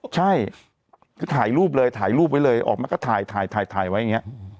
ใช่คือถ่ายรูปเลยถ่ายรูปไว้เลยออกมาก็ถ่ายถ่ายไว้อย่างนี้